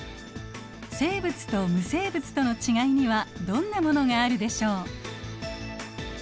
生物と無生物とのちがいにはどんなものがあるでしょう。